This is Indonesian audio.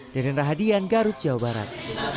deden rahadian garut jawa barat